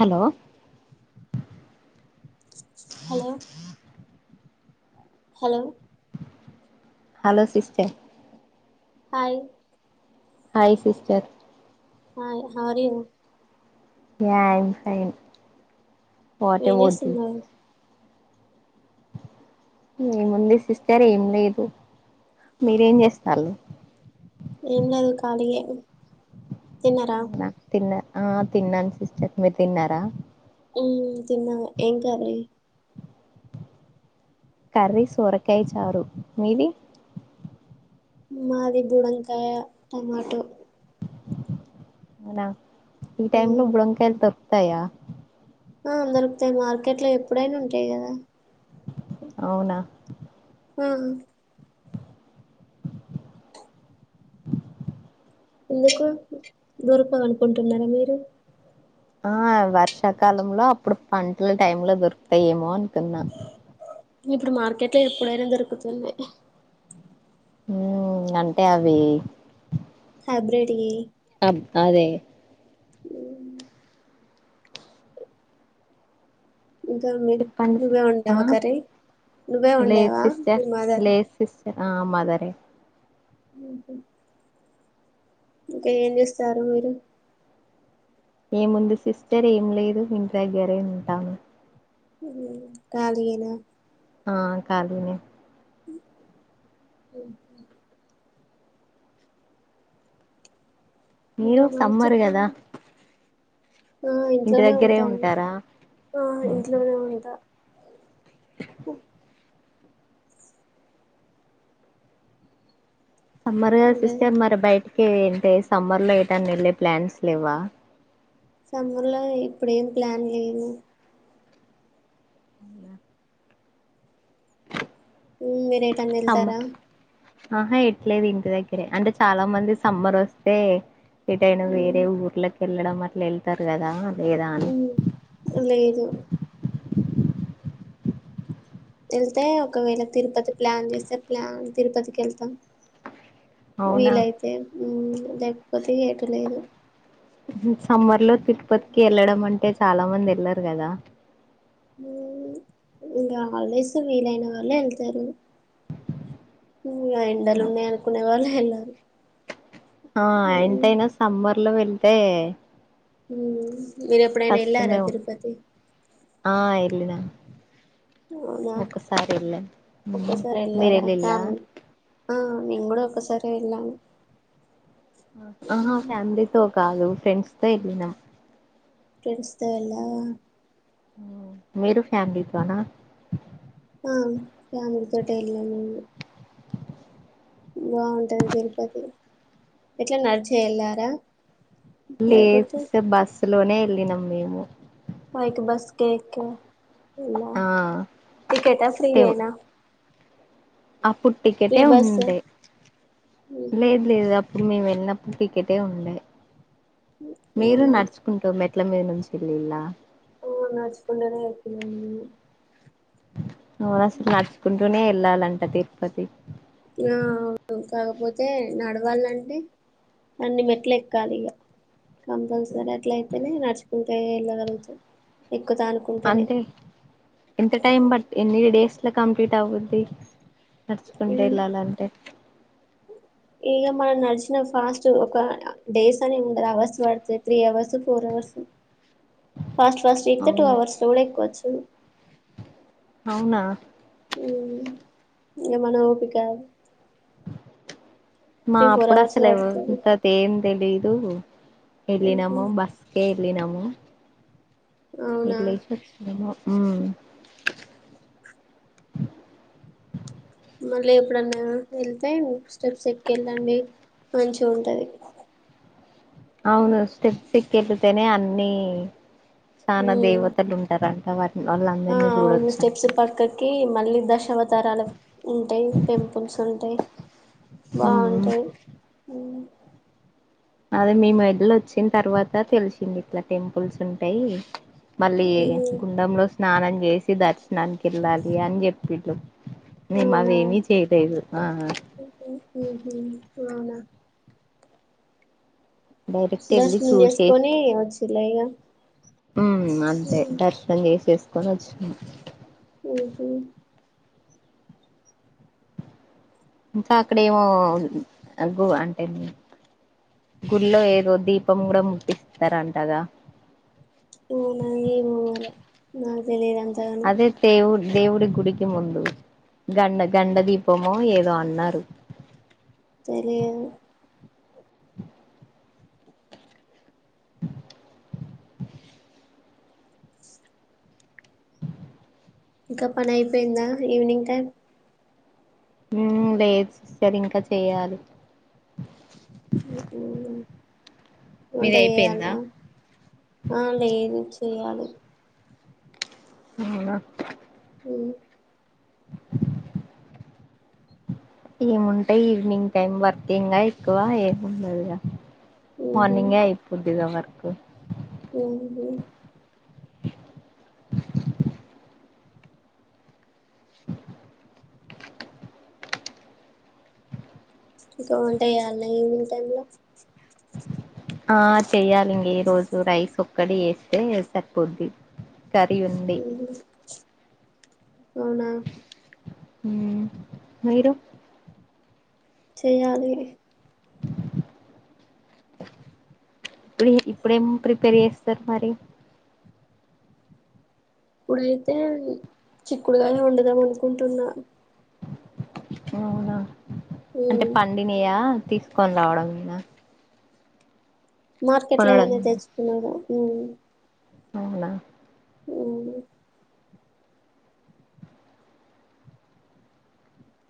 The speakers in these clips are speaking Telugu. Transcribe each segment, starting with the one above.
Hello hello hello hello sister hi hi sister hi how are you yeah I'm fine what ఏం అబౌట్ యు చేస్తున్నారు. ఏముంది సిస్టర్ ఏం లేదు. మీరేం చేస్తన్లు ఏం లేదు కాలిగే నాక్ తిన్న ఆ తిన్నాను సిస్టర్ మీర్ తిన్నారా మ్మ్ తిన్నా ఏం కర్రీ కర్రీ సోరకాయ చారు మీది మాది బుడంకాయ, టమాటో అవునా ఈ టైమ్లో మ్మ్ బుడంకాయలు దొ త్తయా ఆ దొరుకుతాయి మార్కెట్లో ఎప్పుడైనా ఉంటయి కదా అవునా ఆ ఎందుకు దొరకవ్ అనుకుంటున్నారా మీరు ఆ వర్షాకాలంలో అప్పుడు పంటల టైమ్లో దొరుకుతయేమో అనుకున్నా ఇప్పుడు మార్కెట్ల ఎప్పుడైనా దొరుకుతున్నయి. మ్ అంటే అవి హైబ్రేట్యీ అబ్ అదే [inaudible] ఇంకా మీ చెప్పండి నువ్వే సిస్ ఆ వండావా కర్రీ నువ్వే లేదు వండావా మీ సిస్టర్ మదర్ లేదు సిస్టర్ ఆ మదరే ఆ ఇంకా ఏం చేస్తారు మీరు ఏముంది సిస్టర్ ఏం లేదు. ఇంటి దగ్గరే ఉంటాను. కాలియేనా ఆ కాలీనే అఓ ఇంకా మీరు మరి సమ్మర్ కదా చెప్పండి ఆ ఇంటి ఇంట్లోనే దగ్గరే ఉంటాను. ఉంటారా ఆ ఇంట్లోనే ఉంటా కు [unintelligible] ఇంకా సిస్టర్ మరి బైటి కే ఏంటే సమ్మర్ లో ఏటైనా వెళ్ళే ప్లాన్స్ లేవా సమ్మర్ లో ఇప్పుడేం ప్లాన్ లేదు మీరేటన్నఎళ్తారా సమ్మర్ ఆహా ఎట్లేదు ఇంటి దగ్గరే అంటే చాలా మంది సమ్మర్ వస్తే ఎటైన వేరే ఊర్లకి వెళ్ళడం అట్ల వెళ్తారు కదా లేదా అని ఉమ్ లేదు వెళ్తే ఒకవేళ తిరుపతి ప్లాన్ చేస్తే ప్లాన్ తిరుపతికి వెళ్తాం అవునా వీలైతే ఉమ్ లేకపోతే ఎటు లేదు సమ్మర్ లో పిత్ పత్కి ఎల్లడమంటే చాలా మంది వెళ్లారు కదా ఉమ్ ఇంగా ఆల్డేస్ వీలైన వాళ్లేళ్తారు ఇగ ఎండలు ఉన్నాయి అనుకునే వాళ్ళ ఎల్లరు అ ఆ ఎంతయినా సమ్మర్ ల వెళ్తే ఉమ్ మీరు ఎప్పుడైనా ఎల్లార కష్టమే తిరుపతి ల్లినా అవునా ఒసారి ఎల్ళ ఒక్కసారి వెళ్ళారా మీరెల్లిళ్ల ఫ్యామిలీ ఆ నేనుగూడ ఒక్క సరే ఎల్లను ఆహ ఫ్యామిలీతో కాదు ఫ్రెండ్స్ తో ఎళ్ళినం ఫ్రెండ్స్ తో వెళ్ళావా మీరు ఫ్యామలీతోనా ఆ ఫ్యామిలీ తోటే ఎళ్ళమండి బాగుంటది తిరుపతి ఎట్ల నడిచే ఎళ్ళారా లేస్ స బస్ లోనే ఎళ్ళినము మేము ఫైకి బస్కె ఎక్కం ఎలా ఆ టికెటా ఫ్రీ ఎ నా అప్పుడు టికెటే బస్సు ఉండే లేదు లేదు అప్పుడు మేము ఎ నప్పు టికటే ఉండే మీరు అవునా నడుచుకుంటా మెట్ మెట్ల మీద నుంచి ఎళ్లిండ్ల ఆ నడుచుకుంటనే ఎక్కిన మేము ఊ ఆసలు నడుచుకుంటూనే వెళ్ళాలంట తిరుపతి ఆ అవును కాకపోతే నడవాలంటే అన్ని మెట్ల ఎక్కాలి ఇగ కంపల్సరీ అట్ల అయితేనే నడుచుకుంటు ఎళ్ళగలుగుతాం అంతే ఎంత టైం బట్ ఎన్ని డేస్ ఇలా కంప్లీట్ అవుద్ది నడుచుకుంటు ఎలలంటే ఇగ మనం నడిచిన ఫాస్ట్ ఒక డేస్ అని ఉండదు అవర్స్ పడతది three hours four hours fast first ఎక్ తె టూ అవునా అవర్స్ లో కూడా ఎక్కుచ్చు ఉమ్ అవునా ఊమ్ ఇగ మన ఒపిక అది మా త్రీ ఫోర్ అప్పుడు అవర్స్ అసలెవ్ పడుతుంది అంత ఏం తెలీదు వెళ్ళినామో బస్కే లినము అవునా ఏలేసోచినము ఆ మళ్ళీ ఎప్పుడన్నా వెళ్తే స్టెప్స్ ఎక్కి ఎళ్ళండి మంచి ఉంటది అవును స్టెప్స్కికెల్తేనే అన్ని చానా దేవతలు ఉంటర అం అవర్ ఆ అవున్న స్టెప్స్ పక్కకి మళ్ళీ దశావతారలు ఉంటాయి టెంపుల్స్ ఉంటాయి ఉమ్ బాగుంటయి ఉమ్ అదే మీ మెదలో వచ్చిన తర్వాత తెలిసింది ఇట్లా టెంపుల్స్ ఉంటాయి మళ్ళీ గుండెంలో స్నానం చేసి దర్శనానికి వెళ్ళాలి అని చెప్పి మేము అవునా అదేమీ చేయలేదు ఆ అవునా డైరెక్ట్ వెళ్ళి దర్శనం చేసుకొని వచ్చిలాగా ఉ అంతే దర్శనం చేసేస్ కొని వచ్చిన ఓహో ఇంకా అక్కడేమో అంటే గుడిలో ఏదో దీపం కూడా ముట్తిస్తారంటగా అవునా ఏమో మరి నా తెలిదు ఆన్ అదే తేవు ఊ దేవుడి గుడికి ముందు గండ గండ దీపము ఏదో అన్నారు [inaudible] ఇంకా పని అయిపోయిందా ఈవినింగ్ టైం లేదు సిస్టర్ ఇంకా చెయాలి [unintelligible] వంట మీది చేయాల అయిపోయిందా ఆ లేదు చెయాలి అవునా ఏముంటై ఈవినింగ్ టైమ్ వర్తంగా ఎక్కువ ఏముండదుగా మార్నింగ్ అయిపోద్దదివరి క ఓహో [unintelligible] [inaudible] ఇంకా వంట చేయాలా ఈవినింగ్ టైమ్ లో ఆ చేయ్యాలిం ఈ రోజు రైస్ ఒక్కటి చేస్తే సరిపోద్ది కర్రీ ఉంది అవునా మీరు చెయలి ఇప్పుడు ఇప్పుడేం ప్రిపేర్ చేస్తారు మరి ఇప్పుడైతే చిక్కుడుగానే ఉండదాం అనుకుంటున్నా అవునా అంటే ఉమ్ పండినియా తీసుకొని రావడంనా మార్కెట్ కొనడం లోగానే తెచ్చుకున్నారూ ఉమ్ అవునా ఉమ్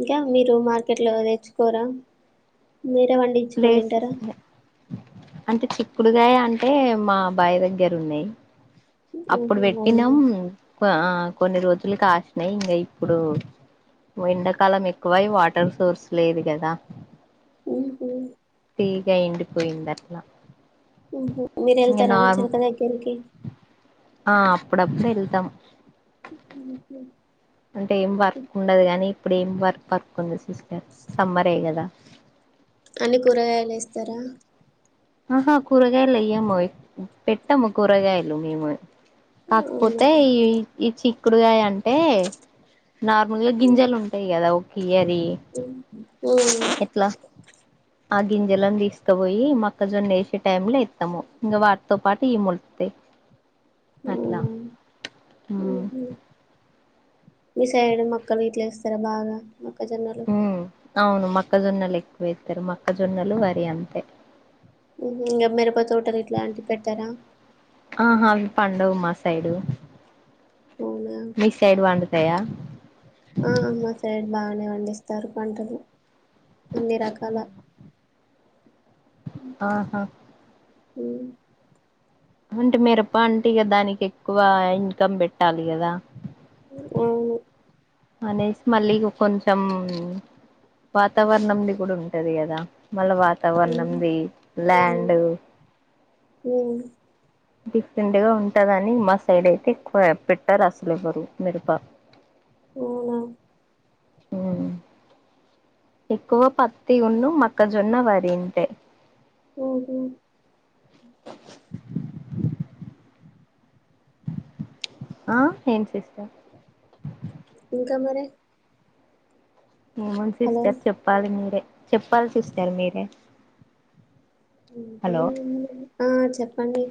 ఇంకా మీరు మార్కెట్ లో తేర్చ్చుకోరా మీరే పండించుకని ప్లేస్ తింటారా చిక్కుడుకయ అంటే మా బాయి దగ్గర ఉన్నాయి అప్పుడు ఉహు అవునా పెట్టినాం కొన్ని రోజులు కాసినాయి ఇంకా ఇప్పుడు ఎండాకాలం ఎక్కువై వాటర్ సోర్స్ లేదు కదా ఉఓహ ఏండిపోయిందట్లా మీరు వెళ్తారా వచ్చారు దగ్గరికి ఆ అప్పుడప్పుడు వెళ్తాం ఉహు అంటే ఏం పర్క్ ఉండదు కాని ఇప్పుడేం వర్క్ పర్క్ ఉంది సిస్టర్ సమ్మరే కదా అన్ని కూరగాయలు వేస్స్తారా ఆహా కూరగాయలు అయ్యాము పెట్టాము కూరగాయలు మేము అవునా కాకపోతే ఈ ఈ చి చిక్కుడుగాయ అంటే నార్మల్ గా ఉమ్ గింజలు ఉంటాయి కదా [unintelligible] వి ఉమ్ ఎట్లా ఆ గింజలలను తీసుకపోయి మక్కజొన్న వేసే టై లో వేస్తాము ఇంకా వాటితో పాటు ఈ మొలితాయి అట్లా అవునా ఆ ఉహు మీ సైడ్ మక్కలు వీట్లే వ ఇస్తారా బాగా మొక్కజొన్నలు హ అవును మ మొక్కజొన్నలు ఎక్కువ ఇస్తారు మొక్కజొన్నలు వరి అంతే ఇంకా మిరప తోటలు ఇట్లా అంటివి పెట్టారా పాండవు మా సైడు అవునా మీ సైడ్ పండుతాయా ఆ మా సైడ్ బా నే పండిస్తారు పంటలు అన్ని రకాల ఆహా అ అంటే మిరప్ప అంటే ఇక దానికి ఎక్కువ ఇన్కమ్ పెట్టాలి కదా అవును అనేసి మళ్ళీ కొంచెం వాతావరణంది కూడా ఉంటది కదా మళ్ళ ఉమ్ వాతావరణంది ఉమ్ ల్యాండ్ ఉమ్ డిఫరెంట్ గా ఉంటదని మా సైడ్ అయితే ఎక్కువ పెట్టారు అసలు ఎవ్వరు మిరుప అవునా హ ఎక్కువ పత్తి ఉన్న మక్కజొన్న వరింతే ఓహఓ ఆ ఏేం సిస్టర్ ఇంకా మర ఏము సిస్టర్ చెప్పాలి మీరే చెప్పాలీ సిస్టర్ మీరే హలో అకాే చెప్పండి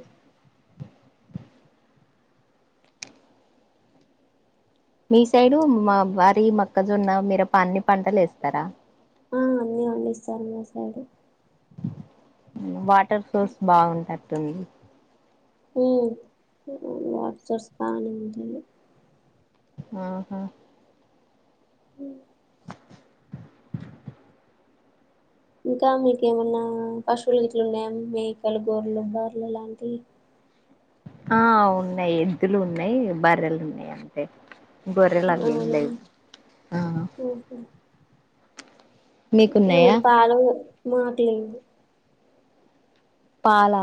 మీ సైడు మా వరి మక్కజున్న మీర పా అన్ని పంటలు వేస్తారా ఆ అన్నిీ పండిస్తారు మా సైడ్ వాట్ వార్ సోర్స్ బాగుంటారు తం వాట్స స్ాని ఉంట ఆహా ఉ ఇంకా మీకేమన్నా పశువులు ఇట్లు ఉన్నాయా మేకలు గొర్రలు బరలు లాంటివి ఆ ఉన్నాయి ఎద్దులు ఉన్నాయి బర్రెలు ఉన్నాయి అంటే గోరేలు అట్లేమ్ అవునా లెవ్ ఇరి పాల మా పాలా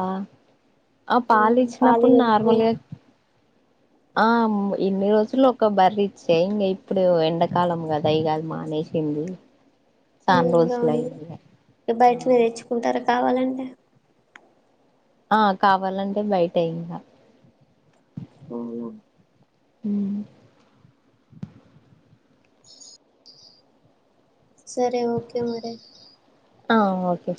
ఆ పాల ఇచ్చినప్పుడు ఖాళీగా నార్మల్గా ఆ ఇన్ని రోజులు ఒక బర్ర ఇచ్చాయి ఇంకా ఇప్పుడు ఎండాకాలం కదావి కాదు మానేసింది చానా రోజులు అవుడి అయింది ఇగ బయట మీరు తెచ్చుకుంటారా కావాలండి అ ఆ కావాలంటే బయట అయ్యక ఆ అ సరే ఓకే మరి ఆ ఓకే